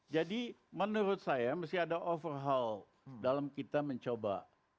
jadi menurut saya mesti ada overhaul dalam kita mencoba